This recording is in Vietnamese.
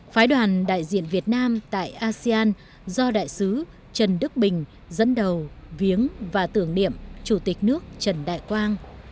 phái đoàn đại diện việt nam tại asean do đại sứ trần đức bình dẫn đầu viếng và tưởng niệm chủ tịch nước trần đại quang